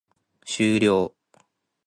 終了